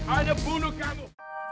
ana bunuh kamu